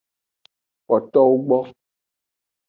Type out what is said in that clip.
Kpotowo gbo.